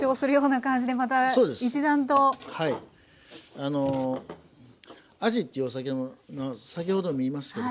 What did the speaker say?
あのあじっていうお魚の先ほども言いますけど。